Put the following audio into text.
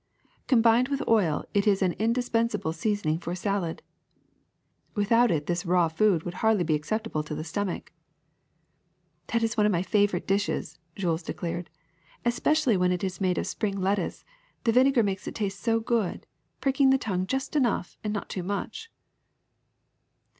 Combined with oil it is an indispensable seasoning for salad. Without it this raw food would hardly be acceptable to the stomach.'' *^That is one of my favorite dishes," Jules de clared, ^^ especially when it is made of spring lettuce; the vinegar makes it taste so good, pricking the tongue just enough and not too much.